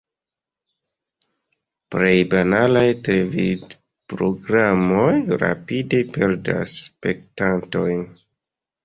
Plej banalaj televidprogramoj rapide perdas spektantojn.